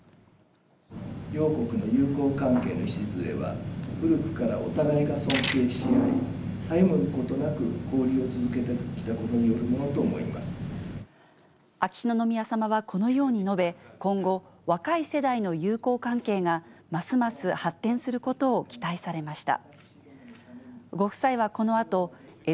両国の友好関係の礎は、古くからお互いが尊敬し合い、たゆむことなく交流を続けてきた秋篠宮さまはこのように述べ、今後、若い世代の友好関係が、ますます発展することを期待されました。